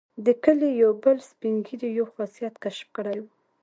د کلي یو بل سپین ږیري یو خاصیت کشف کړی وو.